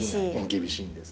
厳しいんです。